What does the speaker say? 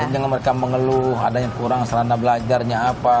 jangan mereka mengeluh ada yang kurang serana belajarnya apa